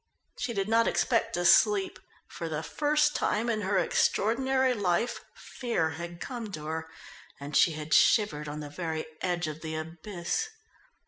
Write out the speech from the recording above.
She did not expect to sleep. For the first time in her extraordinary life fear had come to her, and she had shivered on the very edge of the abyss.